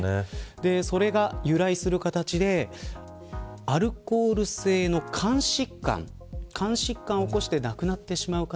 それが由来する形でアルコール性の肝疾患肝疾患を起こして亡くなってしまう方